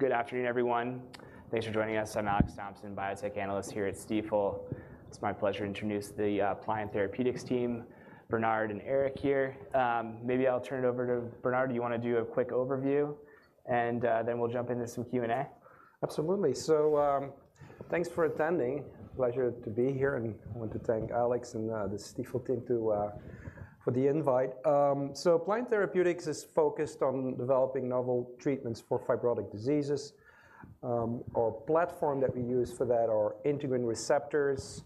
Good afternoon, everyone. Thanks for joining us. I'm Alex Thompson, biotech analyst here at Stifel. It's my pleasure to introduce the, Pliant Therapeutics team, Bernard and Eric here. Maybe I'll turn it over to Bernard. Do you want to do a quick overview, and, then we'll jump into some Q&A? Absolutely. So, thanks for attending. Pleasure to be here, and I want to thank Alex and the Stifel team for the invite. So, Pliant Therapeutics is focused on developing novel treatments for fibrotic diseases. Our platform that we use for that are integrin receptors.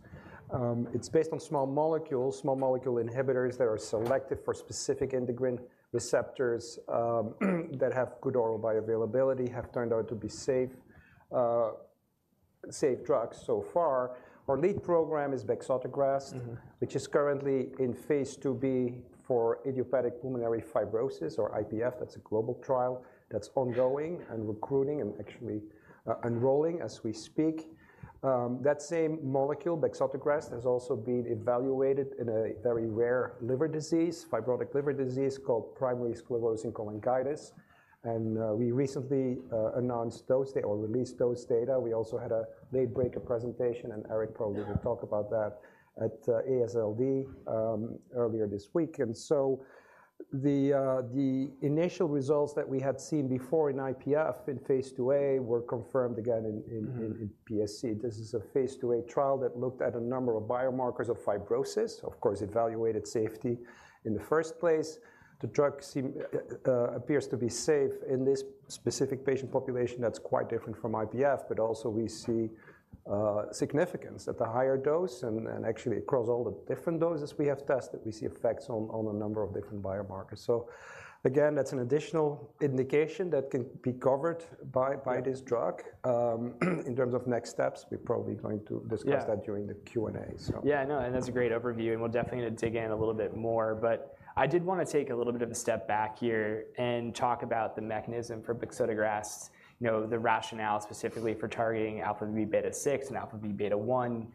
It's based on small molecules, small molecule inhibitors that are selective for specific integrin receptors, that have good oral bioavailability, have turned out to be safe, safe drugs so far. Our lead program is bexotegrast- Mm-hmm... which is currently in phase IIb for idiopathic pulmonary fibrosis or IPF. That's a global trial that's ongoing and recruiting and actually, enrolling as we speak. That same molecule, bexotegrast, is also being evaluated in a very rare liver disease, fibrotic liver disease called primary sclerosing cholangitis. And, we recently, announced dose or released dose data. We also had a late-breaker presentation, and Éric probably will talk about that, at, AASLD, earlier this week. And so the initial results that we had seen before in IPF in phase IIa were confirmed again in, in, in- Mm-hmm... PSC. This is a Phase IIa trial that looked at a number of biomarkers of fibrosis. Of course, evaluated safety in the first place. The drug appears to be safe in this specific patient population that's quite different from IPF, but also we see significance at the higher dose and, and actually across all the different doses we have tested, we see effects on a number of different biomarkers. So again, that's an additional indication that can be covered by- Right... by this drug. In terms of next steps, we're probably going to discuss that- Yeah... during the Q&A. So- Yeah, I know, and that's a great overview, and we'll definitely dig in a little bit more. But I did want to take a little bit of a step back here and talk about the mechanism for bexotegrast, you know, the rationale specifically for targeting alpha V beta six and alpha V beta one,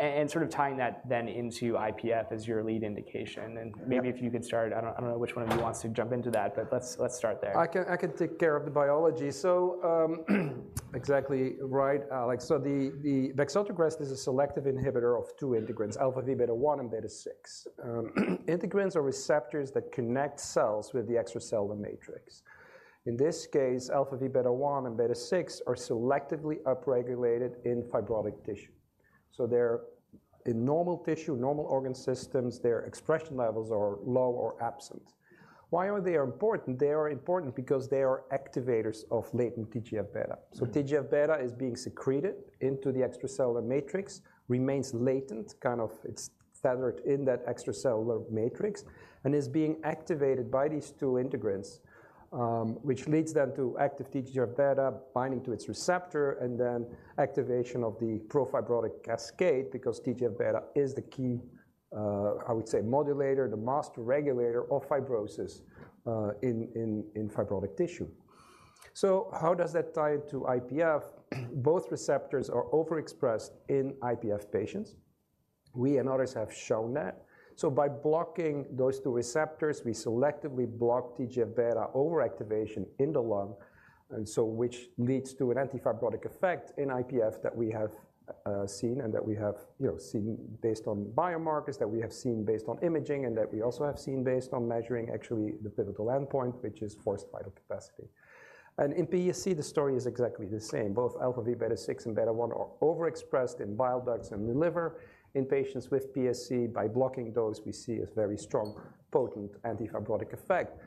and sort of tying that then into IPF as your lead indication. Right. Maybe if you could start... I don't, I don't know which one of you wants to jump into that, but let's, let's start there. I can take care of the biology. So, exactly right, Alex. So the bexotegrast is a selective inhibitor of two integrins, alpha V beta one and beta six. Integrins are receptors that connect cells with the extracellular matrix. In this case, alpha V beta one and beta six are selectively upregulated in fibrotic tissue. So they're in normal tissue, normal organ systems, their expression levels are low or absent. Why are they important? They are important because they are activators of latent TGF-beta. Mm-hmm. So TGF-beta is being secreted into the extracellular matrix, remains latent, kind of it's tethered in that extracellular matrix and is being activated by these two integrins, which leads then to active TGF-beta binding to its receptor and then activation of the pro-fibrotic cascade because TGF-beta is the key, I would say, modulator, the master regulator of fibrosis, in, in, in fibrotic tissue. So how does that tie to IPF? Both receptors are overexpressed in IPF patients. We and others have shown that. So by blocking those two receptors, we selectively block TGF-beta overactivation in the lung, and so which leads to an anti-fibrotic effect in IPF that we have seen and that we have, you know, seen based on biomarkers, that we have seen based on imaging, and that we also have seen based on measuring actually the pivotal endpoint, which is forced vital capacity. In PSC, the story is exactly the same. Both alpha V beta six and beta one are overexpressed in bile ducts and the liver in patients with PSC. By blocking those, we see a very strong, potent anti-fibrotic effect.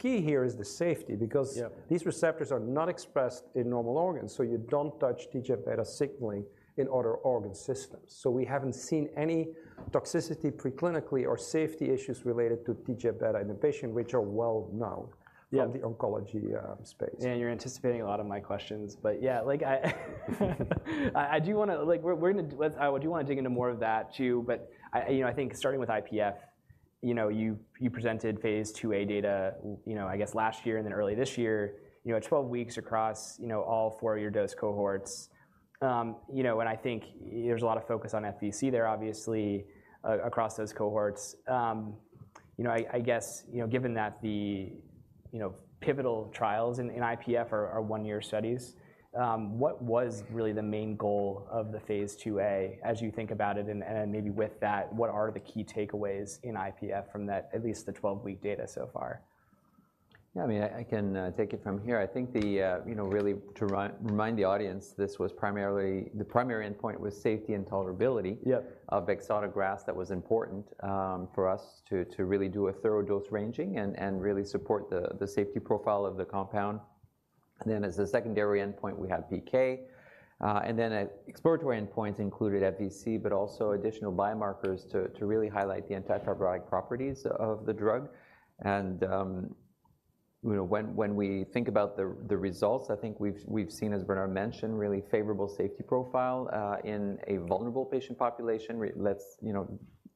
Key here is the safety because- Yeah... these receptors are not expressed in normal organs, so you don't touch TGF-beta signaling in other organ systems. So we haven't seen any toxicity preclinically or safety issues related to TGF-beta in the patient, which are well known- Yeah... from the oncology space. Yeah, you're anticipating a lot of my questions, but yeah, like, I do want to dig into more of that too. But I, you know, I think starting with IPF, you know, you presented phase 2a data, you know, I guess last year and then early this year, you know, at 12 weeks across, you know, all 4 of your dose cohorts. You know, and I think there's a lot of focus on FVC there, obviously, across those cohorts. You know, I guess, given that the pivotal trials in IPF are 1-year studies, what was really the main goal of the phase 2a as you think about it? And then maybe with that, what are the key takeaways in IPF from that, at least the 12-week data so far? Yeah, I mean, I can take it from here. I think the, you know, really to remind the audience, this was primarily... The primary endpoint was safety and tolerability- Yeah... of bexotegrast. That was important, for us to, to really do a thorough dose ranging and, and really support the, the safety profile of the compound. And then as a secondary endpoint, we had PK, and then at exploratory endpoints included FVC, but also additional biomarkers to, to really highlight the anti-fibrotic properties of the drug. And, you know, when, when we think about the, the results, I think we've, we've seen, as Bernard mentioned, really favorable safety profile, in a vulnerable patient population. Let's, you know,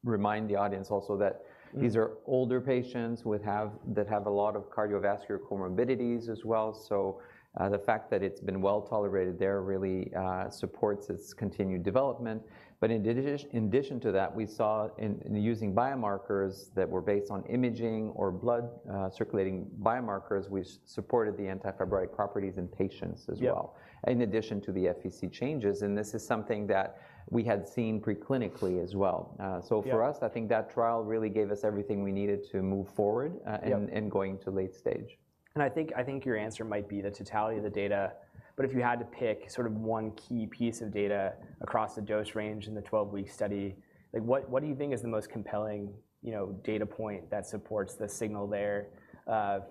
remind the audience also that- Mm-hmm... these are older patients with that have a lot of cardiovascular comorbidities as well. So, the fact that it's been well-tolerated there really supports its continued development. But in addition to that, we saw in using biomarkers that were based on imaging or blood circulating biomarkers, we supported the anti-fibrotic properties in patients as well- Yeah... in addition to the FVC changes, and this is something that we had seen preclinically as well. Yeah... so for us, I think that trial really gave us everything we needed to move forward. Yeah... and going to late stage.... I think, I think your answer might be the totality of the data. But if you had to pick sort of one key piece of data across the dose range in the 12-week study, like what, what do you think is the most compelling, you know, data point that supports the signal there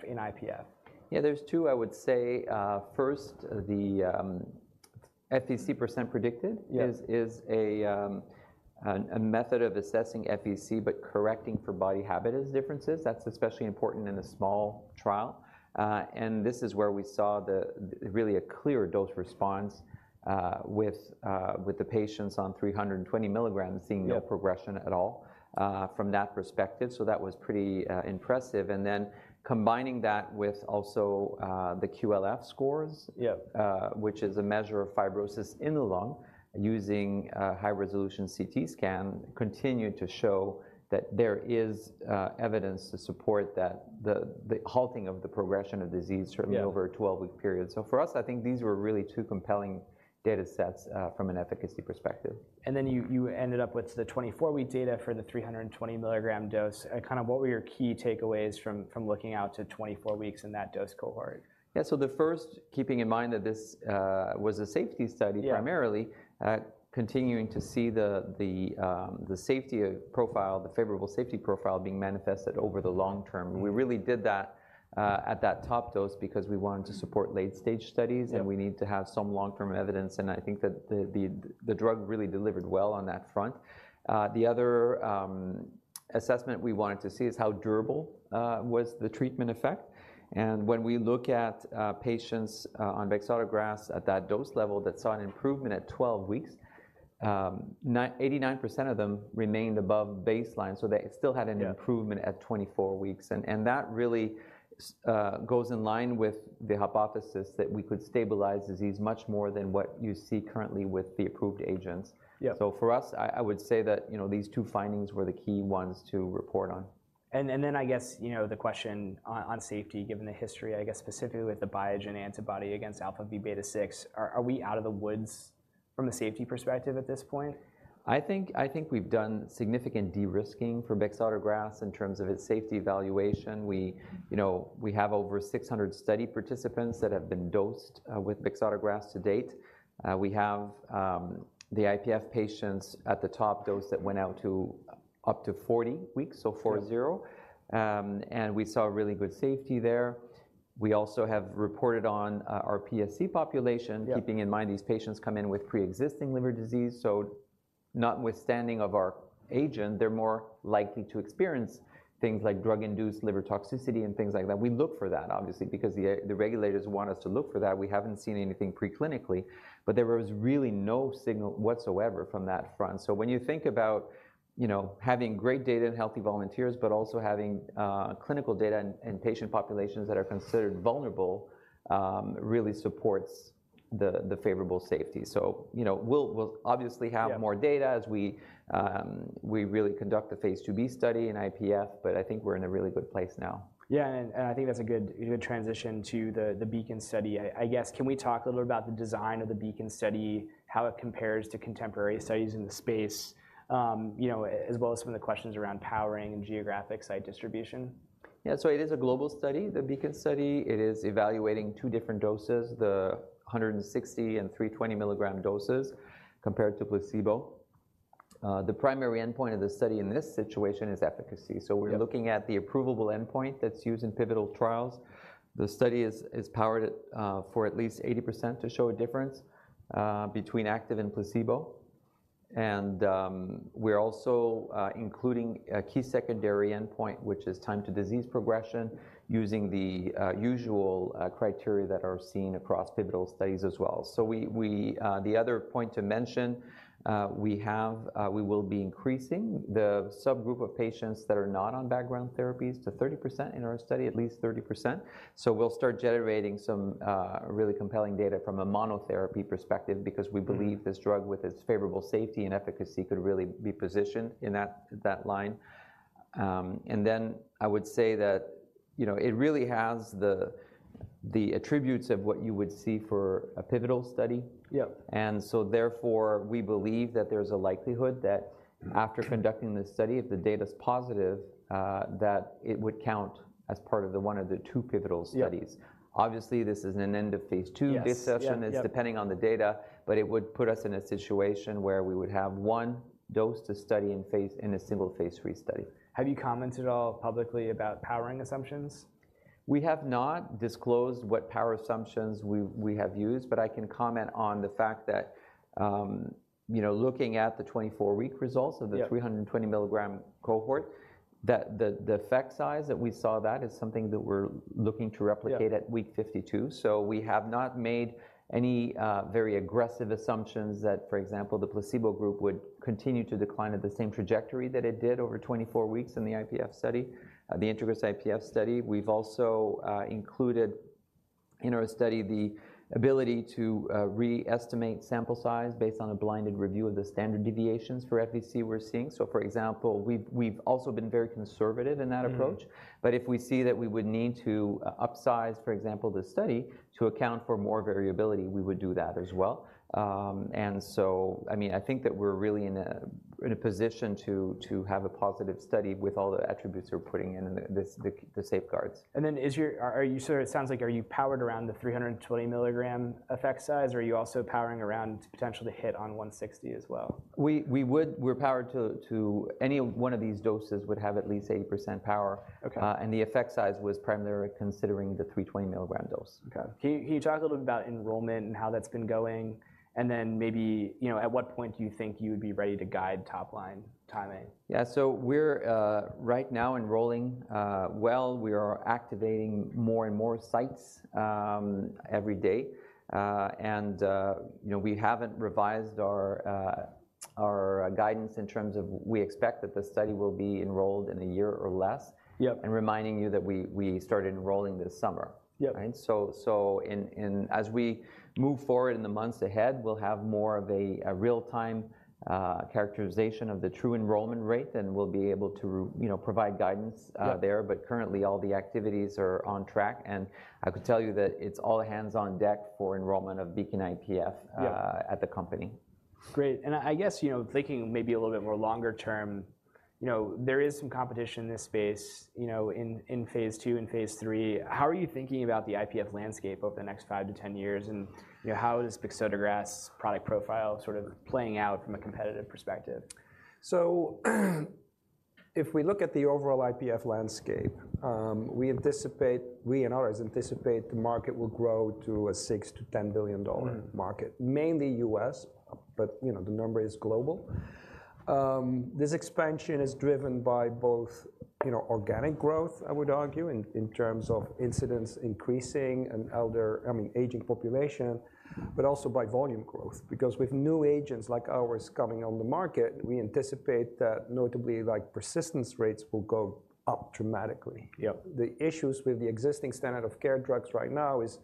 in IPF? Yeah, there's two I would say. First, the FVC percent predicted- Yeah is a method of assessing FVC, but correcting for body habitus differences. That's especially important in a small trial. And this is where we saw the really clear dose response, with the patients on 320 milligrams- Yeah - seeing no progression at all, from that perspective, so that was pretty impressive. And then combining that with also, the QLF scores- Yeah... which is a measure of fibrosis in the lung using a high-resolution CT scan, continued to show that there is evidence to support that the halting of the progression of disease- Yeah Certainly over a 12-week period. So for us, I think these were really two compelling data sets from an efficacy perspective. Then you ended up with the 24-week data for the 320 milligram dose. Kind of, what were your key takeaways from looking out to 24 weeks in that dose cohort? Yeah, so the first, keeping in mind that this was a safety study- Yeah - primarily, continuing to see the safety profile, the favorable safety profile being manifested over the long term. Mm-hmm. We really did that at that top dose because we wanted to support late-stage studies- Yeah and we need to have some long-term evidence, and I think that the drug really delivered well on that front. The other assessment we wanted to see is how durable was the treatment effect. And when we look at patients on bexotegrast at that dose level that saw an improvement at 12 weeks, 89% of them remained above baseline, so they still had an- Yeah... improvement at 24 weeks. And that really goes in line with the hypothesis that we could stabilize disease much more than what you see currently with the approved agents. Yeah. For us, I would say that, you know, these two findings were the key ones to report on. Then I guess, you know, the question on safety, given the history, I guess specifically with the Biogen antibody against alpha V beta six, are we out of the woods from a safety perspective at this point? I think, I think we've done significant de-risking for bexotegrast in terms of its safety evaluation. We, you know, we have over 600 study participants that have been dosed with bexotegrast to date. We have the IPF patients at the top dose that went out to up to 40 weeks, so 40. Yeah. We saw really good safety there. We also have reported on our PSC population- Yeah... keeping in mind these patients come in with pre-existing liver disease, so notwithstanding of our agent, they're more likely to experience things like drug-induced liver toxicity and things like that. We look for that, obviously, because the regulators want us to look for that. We haven't seen anything preclinically, but there was really no signal whatsoever from that front. So when you think about, you know, having great data in healthy volunteers, but also having clinical data in patient populations that are considered vulnerable, really supports the favorable safety. So, you know, we'll obviously have- Yeah... more data as we really conduct the phase IIb study in IPF, but I think we're in a really good place now. Yeah, and I think that's a good transition to the BEACON study. I guess, can we talk a little about the design of the BEACON study, how it compares to contemporary studies in the space? You know, as well as some of the questions around powering and geographic site distribution. Yeah, so it is a global study, the BEACON study. It is evaluating two different doses, the 160 and 320 milligram doses, compared to placebo. The primary endpoint of the study in this situation is efficacy. Yeah. We're looking at the approvable endpoint that's used in pivotal trials. The study is powered at for at least 80% to show a difference between active and placebo. We're also including a key secondary endpoint, which is time to disease progression, using the usual criteria that are seen across pivotal studies as well. The other point to mention, we will be increasing the subgroup of patients that are not on background therapies to 30% in our study, at least 30%. We'll start generating some really compelling data from a monotherapy perspective because we believe- Mm-hmm... this drug, with its favorable safety and efficacy, could really be positioned in that, that line. And then I would say that, you know, it really has the, the attributes of what you would see for a pivotal study. Yeah. And so therefore, we believe that there's a likelihood that after conducting this study, if the data's positive, that it would count as part of the one of the two pivotal studies. Yeah. Obviously, this is an end of phase II discussion- Yes. Yeah, yeah.... it's depending on the data, but it would put us in a situation where we would have one dose to study in a single phase III study. Have you commented at all publicly about powering assumptions? We have not disclosed what power assumptions we have used, but I can comment on the fact that, you know, looking at the 24-week results- Yeah... of the 320 milligram cohort, that the effect size that we saw, that is something that we're looking to replicate- Yeah... at week 52. So we have not made any very aggressive assumptions that, for example, the placebo group would continue to decline at the same trajectory that it did over 24 weeks in the IPF study, the INTEGRIS-IPF study. We've also included,... in our study, the ability to re-estimate sample size based on a blinded review of the standard deviations for FVC we're seeing. So for example, we've also been very conservative in that approach. Mm-hmm. But if we see that we would need to upsize, for example, the study, to account for more variability, we would do that as well. And so, I mean, I think that we're really in a position to have a positive study with all the attributes we're putting in, in this, the safeguards. Are you sort of, it sounds like, are you powered around the 320 milligram effect size, or are you also powering around to potentially hit on 160 as well? We're powered to any one of these doses would have at least 80% power. Okay. The effect size was primarily considering the 320 milligram dose. Okay. Can you talk a little bit about enrollment and how that's been going? And then maybe, you know, at what point do you think you would be ready to guide top-line timing? Yeah. So we're right now enrolling, well. We are activating more and more sites every day. And you know, we haven't revised our guidance in terms of... We expect that the study will be enrolled in a year or less. Yep. Reminding you that we started enrolling this summer. Yep. Right? So, in as we move forward in the months ahead, we'll have more of a real-time characterization of the true enrollment rate, then we'll be able to, you know, provide guidance. Yep... there. But currently, all the activities are on track, and I could tell you that it's all hands on deck for enrollment of BEACON-IPF. Yep... at the company. Great. I, I guess, you know, thinking maybe a little bit more longer term, you know, there is some competition in this space, you know, in, in phase II and phase III. How are you thinking about the IPF landscape over the next five to ten years, and, you know, how is bexotegrast product profile sort of playing out from a competitive perspective? So, if we look at the overall IPF landscape, we and others anticipate the market will grow to a $6 billion-$10 billion market. Mm-hmm. Mainly US, but, you know, the number is global. This expansion is driven by both, you know, organic growth, I would argue, in terms of incidence increasing and, I mean, aging population, but also by volume growth. Because with new agents like ours coming on the market, we anticipate that notably, like, persistence rates will go up dramatically. Yep. The issues with the existing standard of care drugs right now is,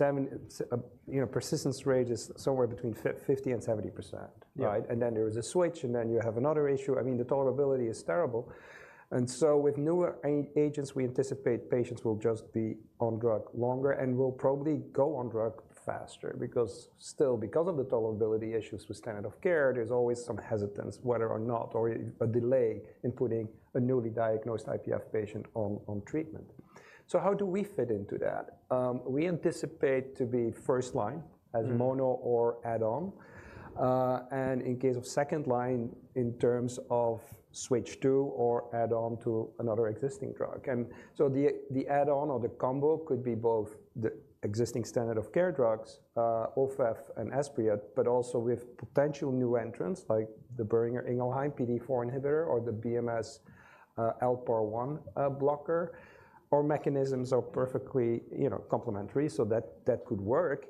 you know, you know, persistence rate is somewhere between 50%-70%. Yep. Right? And then there is a switch, and then you have another issue. I mean, the tolerability is terrible. And so with newer agents, we anticipate patients will just be on drug longer and will probably go on drug faster because... Still, because of the tolerability issues with standard of care, there's always some hesitance whether or not or a delay in putting a newly diagnosed IPF patient on treatment. So how do we fit into that? We anticipate to be first line- Mm... as mono or add-on. And in case of second line, in terms of switch to or add on to another existing drug. And so the add-on or the combo could be both the existing standard of care drugs, Ofev and Esbriet, but also with potential new entrants like the Boehringer Ingelheim PDE4 inhibitor, or the BMS LPAR1 blocker. Our mechanisms are perfectly, you know, complementary, so that could work.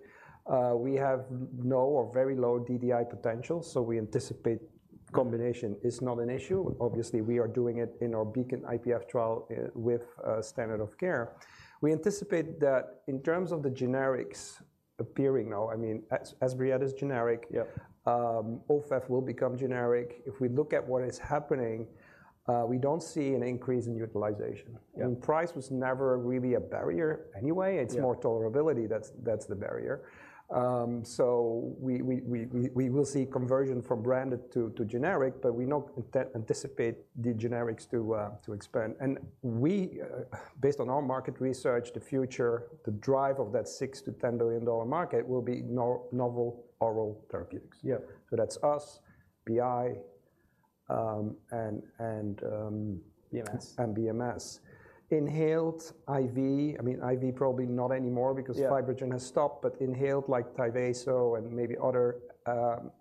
We have no or very low DDI potential, so we anticipate combination is not an issue. Obviously, we are doing it in our BEACON-IPF trial with a standard of care. We anticipate that in terms of the generics appearing now, I mean, Esbriet is generic. Yep. Ofev will become generic. If we look at what is happening, we don't see an increase in utilization. Yep. Price was never really a barrier anyway. Yeah. It's more tolerability, that's the barrier. So we will see conversion from branded to generic, but we not anticipate the generics to expand. And we, based on our market research, the future, the drive of that $6 billion-$10 billion market will be novel oral therapeutics. Yep. So that's us, BI. BMS. BMS. Inhaled IV, I mean, IV probably not anymore- Yeah... because FibroGen has stopped, but inhaled like Tyvaso and maybe other,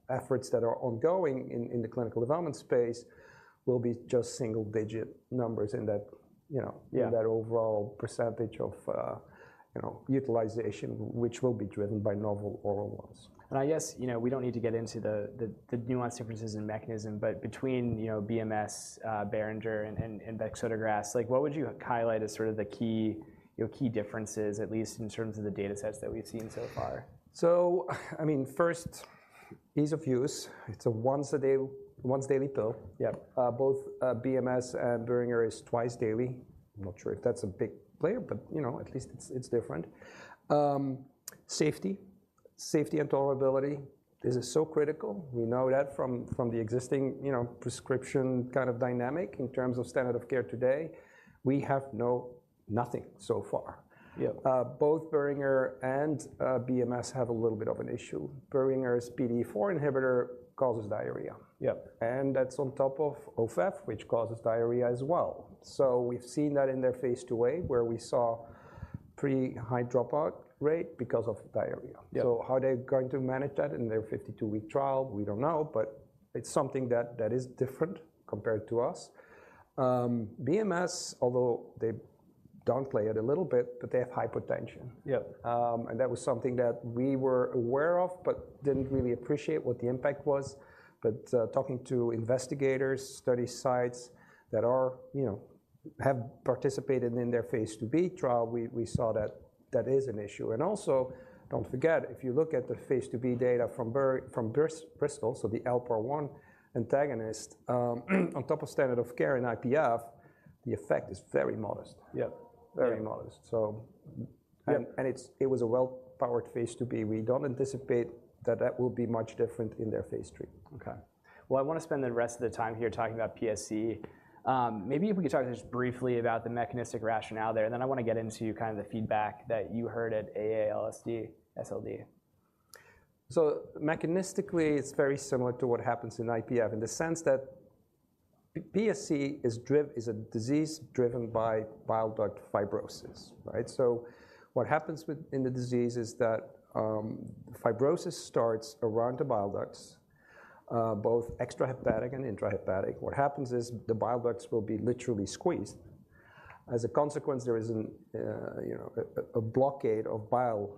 efforts that are ongoing in the clinical development space, will be just single-digit numbers in that, you know- Yeah... in that overall percentage of, you know, utilization, which will be driven by novel oral ones. I guess, you know, we don't need to get into the nuanced differences in mechanism, but between, you know, BMS, Boehringer, and bexotegrast, like, what would you highlight as sort of the key, you know, key differences, at least in terms of the data sets that we've seen so far? I mean, first, ease of use. It's a once a day, once-daily pill. Yep. Both BMS and Boehringer is twice daily. I'm not sure if that's a big player, but, you know, at least it's different. Safety. Safety and tolerability, this is so critical. We know that from the existing, you know, prescription kind of dynamic in terms of standard of care today, we have nothing so far. Yep. Both Boehringer and BMS have a little bit of an issue. Boehringer's PDE4 inhibitor causes diarrhea. Yep. That's on top of Ofev, which causes diarrhea as well. So we've seen that in their Phase 2a, where we saw pretty high dropout rate because of diarrhea. Yep. So how are they going to manage that in their 52-week trial? We don't know, but it's something that is different compared to us. BMS, although they downplay it a little bit, but they have hypotension. Yep. And that was something that we were aware of, but didn't really appreciate what the impact was. But, talking to investigators, study sites that are, you know, have participated in their phase IIb trial, we, we saw that that is an issue. And also, don't forget, if you look at the phase IIb data from Bristol, so the LPAR1 antagonist, on top of standard of care in IPF, the effect is very modest. Yep. Very modest. Yep. It was a well-powered Phase IIb. We don't anticipate that that will be much different in their Phase III. Okay. Well, I wanna spend the rest of the time here talking about PSC. Maybe if we could talk just briefly about the mechanistic rationale there, and then I wanna get into kind of the feedback that you heard at AASLD. So mechanistically, it's very similar to what happens in IPF in the sense that PSC is a disease driven by bile duct fibrosis, right? So what happens in the disease is that, fibrosis starts around the bile ducts, both extrahepatic and intrahepatic. What happens is the bile ducts will be literally squeezed. As a consequence, there is a blockade of bile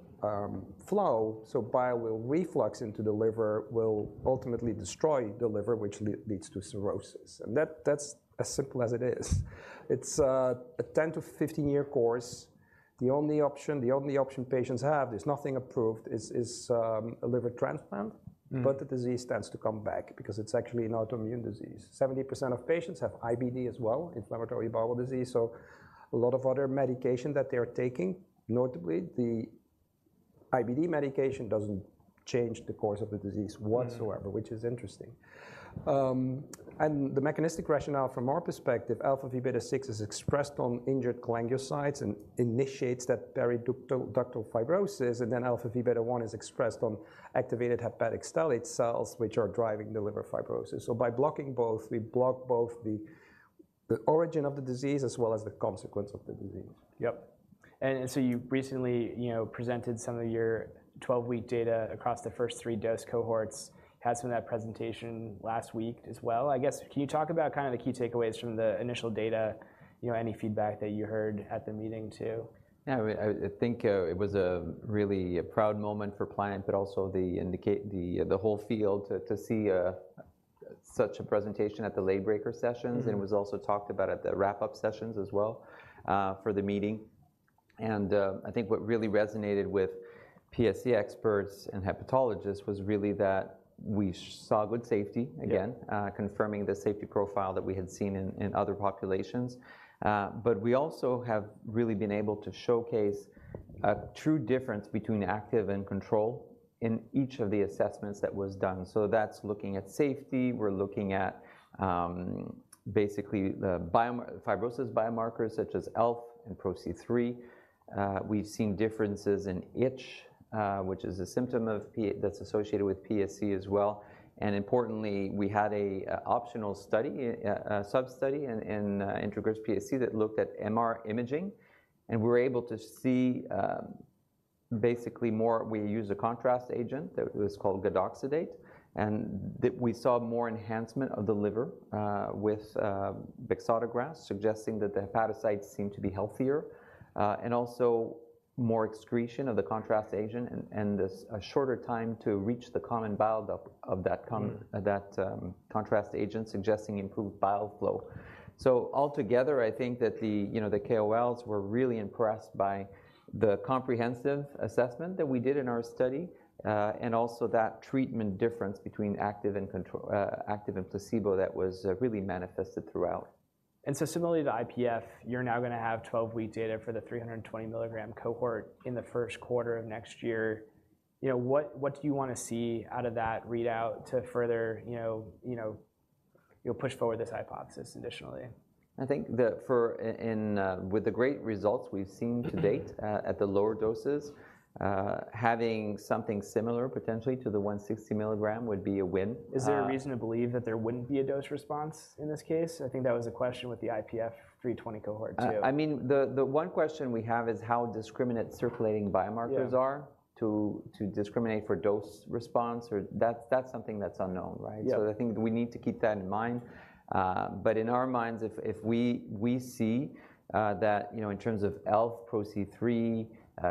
flow, so bile will reflux into the liver, will ultimately destroy the liver, which leads to cirrhosis. And that, that's as simple as it is. It's a 10-15-year course. The only option, the only option patients have, there's nothing approved, is a liver transplant. Mm. But the disease tends to come back because it's actually an autoimmune disease. 70% of patients have IBD as well, inflammatory bowel disease, so a lot of other medication that they're taking. Notably, the IBD medication doesn't change the course of the disease whatsoever. Mm... which is interesting. And the mechanistic rationale from our perspective, alpha V beta six is expressed on injured cholangiocytes and initiates that periductal fibrosis, and then alpha V beta one is expressed on activated hepatic stellate cells, which are driving the liver fibrosis. So by blocking both, we block both the origin of the disease as well as the consequence of the disease. Yep. So you've recently, you know, presented some of your 12-week data across the first 3 dose cohorts. Had some of that presentation last week as well, I guess. Can you talk about kind of the key takeaways from the initial data, you know, any feedback that you heard at the meeting, too? Yeah, I think it was a really proud moment for Pliant, but also the indication—the whole field to see such a presentation at the late-breaker sessions. Mm-hmm. It was also talked about at the wrap-up sessions as well, for the meeting. I think what really resonated with PSC experts and hepatologists was really that we saw good safety, again- Yep... confirming the safety profile that we had seen in other populations. But we also have really been able to showcase a true difference between active and control in each of the assessments that was done. So that's looking at safety. We're looking at basically the biomarker fibrosis biomarkers such as ELF and PRO-C3. We've seen differences in itch, which is a symptom of P- that's associated with PSC as well. And importantly, we had a substudy in INTEGRIS-PSC that looked at MR imaging, and we were able to see basically more... We used a contrast agent that was called gadoxetate, and we saw more enhancement of the liver with bexotegrast, suggesting that the hepatocytes seemed to be healthier, and also more excretion of the contrast agent and a shorter time to reach the common bile duct of that com- Mm... that contrast agent, suggesting improved bile flow. So altogether, I think that the, you know, the KOLs were really impressed by the comprehensive assessment that we did in our study, and also that treatment difference between active and control- active and placebo, that was, really manifested throughout. And so similarly to IPF, you're now gonna have twelve-week data for the 320 milligram cohort in the first quarter of next year. You know, what, what do you wanna see out of that readout to further, you know, you know, you know, push forward this hypothesis additionally? I think with the great results we've seen to date- Mm... at the lower doses, having something similar potentially to the 160 milligram would be a win. Is there a reason to believe that there wouldn't be a dose response in this case? I think that was a question with the IPF 320 cohort, too. I mean, the one question we have is how discriminate circulating biomarkers are- Yeah... to discriminate for dose response or... That's something that's unknown, right? Yep. I think we need to keep that in mind. But in our minds, if we see that, you know, in terms of ELF, PRO-C3,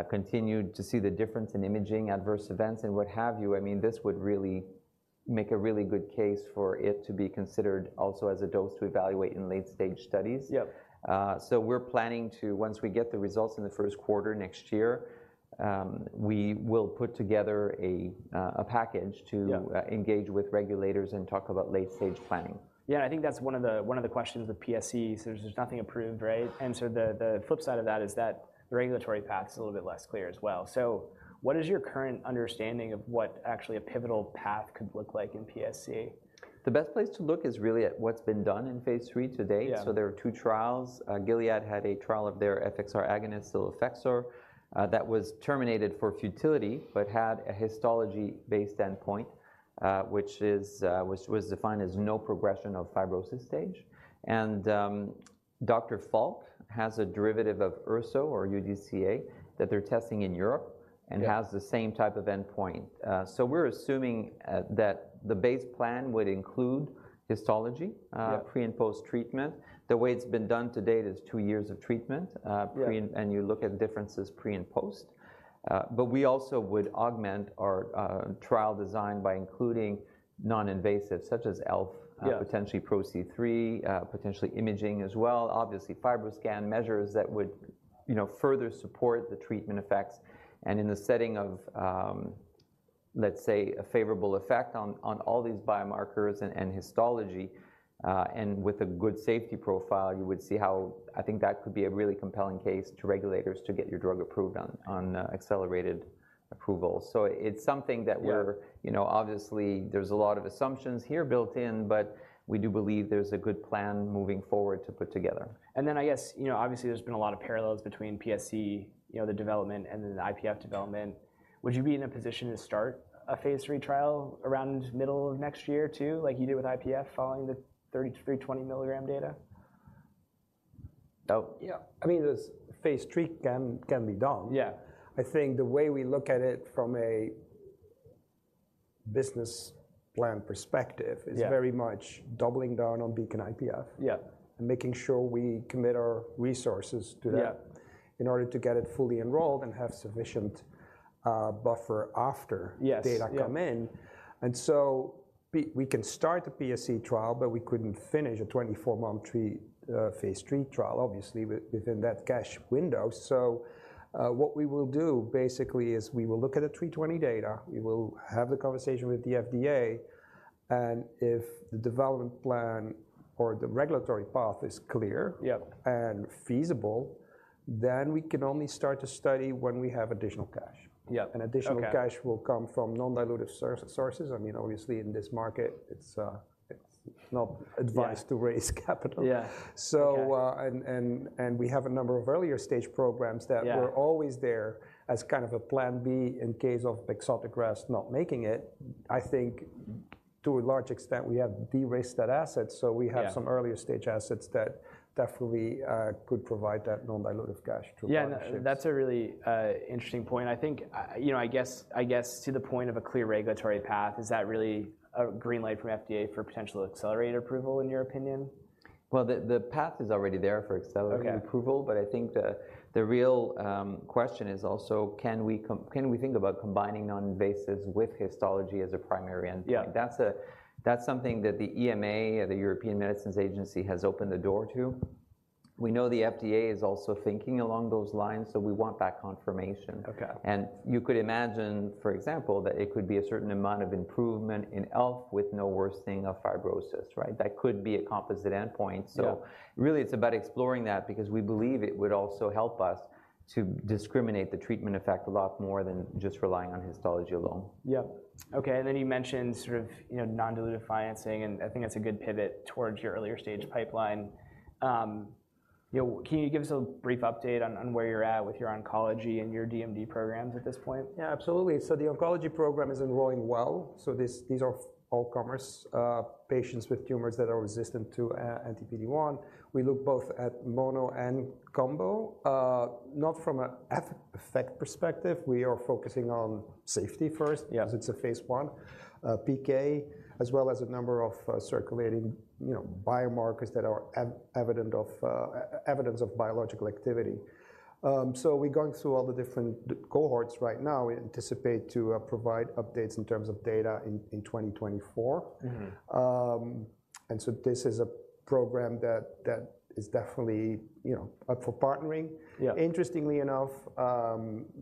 continue to see the difference in imaging, adverse events and what have you, I mean, this would really make a really good case for it to be considered also as a dose to evaluate in late-stage studies. Yep. We're planning to, once we get the results in the first quarter next year, we will put together a package to- Yep... engage with regulators and talk about late-stage planning. Yeah, I think that's one of the questions with PSC. So there's nothing approved, right? And so the flip side of that is that the regulatory path is a little bit less clear as well. So what is your current understanding of what actually a pivotal path could look like in PSC? The best place to look is really at what's been done in phase III to date. Yeah. So there are two trials. Gilead had a trial of their FXR agonist, cilofexor, that was terminated for futility, but had a histology-based endpoint, which was defined as no progression of fibrosis stage. And, Dr. Falk has a derivative of Urso or UDCA that they're testing in Europe- Yeah... and has the same type of endpoint. So we're assuming that the base plan would include histology Yep... pre- and post-treatment. The way it's been done to date is two years of treatment, pre and- Yeah... and you look at differences pre and post. But we also would augment our trial design by including non-invasive, such as ELF- Yeah... potentially PROC3, potentially imaging as well. Obviously, FibroScan measures that would, you know, further support the treatment effects. And in the setting of, let's say, a favorable effect on, on all these biomarkers and, and histology, and with a good safety profile, you would see how I think that could be a really compelling case to regulators to get your drug approved on, accelerated approval. So it's something that- Yeah. We're, you know, obviously, there's a lot of assumptions here built in, but we do believe there's a good plan moving forward to put together. And then I guess, you know, obviously, there's been a lot of parallels between PSC, you know, the development and then the IPF development. Would you be in a position to start a phase III trial around middle of next year, too, like you did with IPF, following the 33/20 milligram data? Oh. Yeah. I mean, this phase III can be done. Yeah. I think the way we look at it from a business plan perspective- Yeah is very much doubling down on BEACON-IPF Yeah and making sure we commit our resources to that Yeah -in order to get it fully enrolled and have sufficient, buffer after- Yes, yeah -data come in. So we can start the PSC trial, but we couldn't finish a 24-month phase III trial, obviously, within that cash window. So, what we will do basically is we will look at the 320 data. We will have the conversation with the FDA, and if the development plan or the regulatory path is clear- Yeah and feasible, then we can only start to study when we have additional cash. Yeah. Okay. Additional cash will come from non-dilutive sources. I mean, obviously, in this market, it's, it's not advised- Yeah -to raise capital. Yeah. Okay. So, we have a number of earlier stage programs that- Yeah were always there as kind of a plan B in case of bexotegrast not making it. I think to a large extent, we have de-risked that asset. Yeah. We have some earlier stage assets that definitely could provide that non-dilutive cash to partnerships. Yeah, that's a really interesting point. I think, you know, I guess to the point of a clear regulatory path, is that really a green light from FDA for potential accelerated approval, in your opinion? Well, the path is already there for accelerated- Okay -approval, but I think the real question is also, can we think about combining non-invasives with histology as a primary endpoint? Yeah. That's something that the EMA, the European Medicines Agency, has opened the door to. We know the FDA is also thinking along those lines, so we want that confirmation. Okay. You could imagine, for example, that it could be a certain amount of improvement in ELF with no worsening of fibrosis, right? That could be a composite endpoint. Yeah. Really, it's about exploring that because we believe it would also help us to discriminate the treatment effect a lot more than just relying on histology alone. Yeah. Okay, and then you mentioned sort of, you know, non-dilutive financing, and I think that's a good pivot towards your earlier stage pipeline. You know, can you give us a brief update on where you're at with your oncology and your DMD programs at this point? Yeah, absolutely. So the oncology program is enrolling well, so this, these are all comers, patients with tumors that are resistant to anti-PD-1. We look both at mono and combo, not from an efficacy perspective. We are focusing on safety first. Yeah -because it's a phase I, PK, as well as a number of circulating, you know, biomarkers that are evidence of biological activity. So we're going through all the different cohorts right now. We anticipate to provide updates in terms of data in 2024. Mm-hmm. And so this is a program that is definitely, you know, up for partnering. Yeah. Interestingly enough,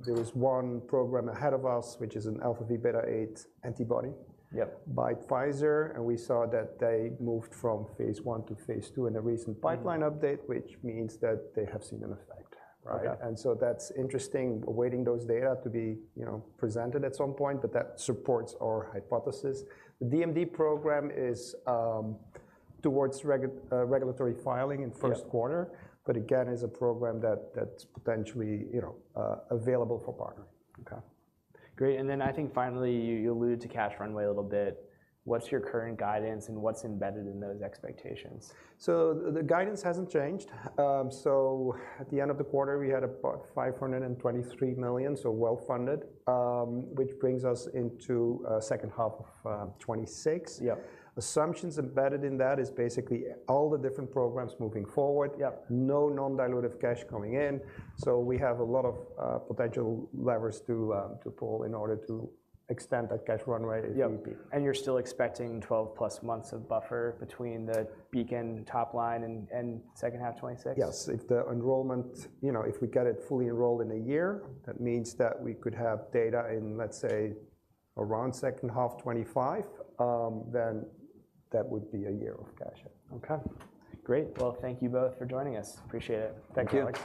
there is one program ahead of us, which is an alpha V beta eight antibody- Yeah -by Pfizer, and we saw that they moved from phase I to phase II in a recent pipeline- Mm-hmm update, which means that they have seen an effect, right? Yeah. That's interesting. Awaiting those data to be, you know, presented at some point, but that supports our hypothesis. The DMD program is towards regulatory filing in first- Yeah -quarter, but again, is a program that that's potentially, you know, available for partner. Okay, great. I think finally, you alluded to cash runway a little bit. What's your current guidance and what's embedded in those expectations? So the guidance hasn't changed. At the end of the quarter, we had about $523 million, so well funded, which brings us into second half of 2026. Yeah. Assumptions embedded in that is basically all the different programs moving forward. Yeah. No non-dilutive cash coming in, so we have a lot of potential levers to pull in order to extend that cash runway if need be. Yeah, and you're still expecting 12+ months of buffer between the BEACON top line and, and second half 2026? Yes. If the enrollment... You know, if we get it fully enrolled in a year, that means that we could have data in, let's say, around second half 2025, then that would be a year of cash, yeah. Okay, great. Well, thank you both for joining us. Appreciate it. Thank you. Thank you.